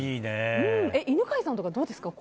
犬飼さんとかどうですか？